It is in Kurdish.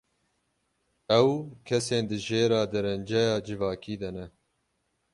Ew, kesên di jêra derenceya civakî de ne.